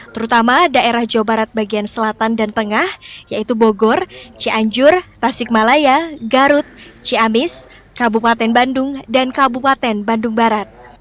terutama daerah jawa barat bagian selatan dan tengah yaitu bogor cianjur tasikmalaya garut ciamis kabupaten bandung dan kabupaten bandung barat